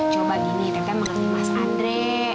coba gini teteh mengerti mas andre